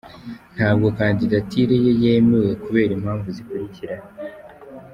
Ntabwo Kandidatire ye yemewe kubera impamvu zikurikira: